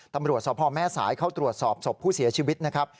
ตำรวจสพแม่สายเข้าตรวจสอบศพผู้เสียชีวิตนะครับ